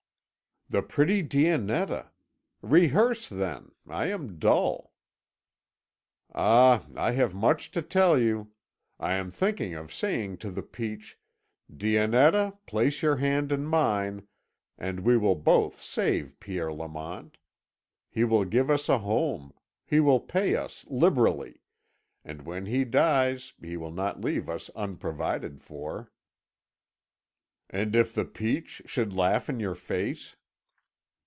"The pretty Dionetta! Rehearse, then; I am dull." "Ah, I have much to tell you. I am thinking of saying to the peach, 'Dionetta, place your hand in mine, and we will both serve Pierre Lamont. He will give us a home; he will pay us liberally; and when he dies he will not leave us unprovided for.'" "And if the peach should laugh in your face?"